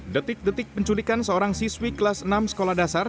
detik detik penculikan seorang siswi kelas enam sekolah dasar